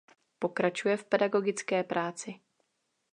Pokračuje v pedagogické práci.